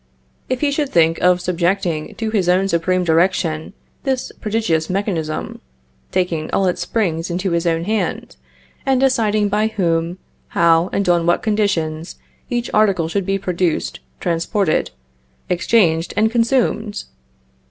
If he should think of subjecting to his own supreme direction this prodigious mechanism, taking all its springs into his own hand, and deciding by whom, how, and on what conditions each article should be produced, transported, exchanged and consumed?